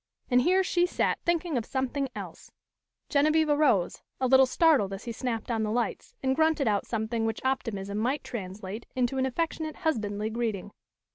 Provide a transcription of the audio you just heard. And here she sat thinking of something else! Genevieve arose, a little startled as he snapped on the lights and grunted out something which optimism might translate into an affectionate husbandly greeting.